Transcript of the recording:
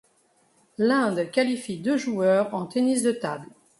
L'Inde qualifie deux joueurs en tennis de table.